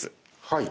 はい。